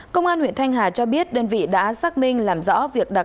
công an huyện thanh hà cho biết đơn vị đã xác minh làm rõ việc đặt